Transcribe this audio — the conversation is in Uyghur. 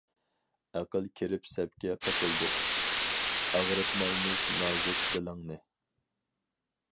ئەقىل كىرىپ سەپكە قېتىلدۇق، ئاغرىتمايمىز نازۇك دىلىڭنى.